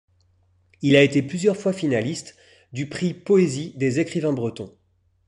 Il a été plusieurs fois finaliste du Prix Poésie des Écrivains Bretons.